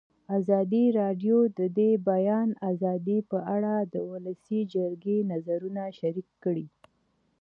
ازادي راډیو د د بیان آزادي په اړه د ولسي جرګې نظرونه شریک کړي.